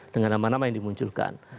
dengan nama nama yang dimunculkan